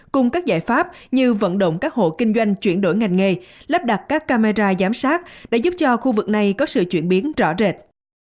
cùng các giải pháp như vận động các hộ kinh doanh chuyển đổi ngành nghề lắp đặt các camera giám sát đã giúp cho khu vực này có sự chuyển biến rõ rệt